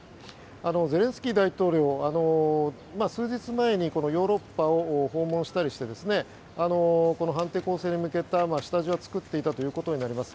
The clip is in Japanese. ゼレンスキー大統領は数日前にヨーロッパを訪問したりして反転攻勢に向けた下地は作っていたということになります。